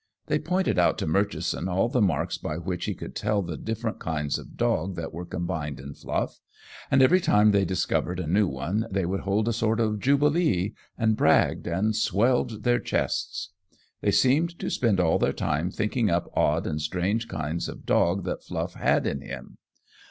They pointed out to Murchison all the marks by which he could tell the different kinds of dog that were combined in Fluff, and every time they discovered a new one they held a sort of jubilee, and bragged and swelled their chests. They seemed to spend all their time thinking up odd and strange kinds of dog that Fluff had in him.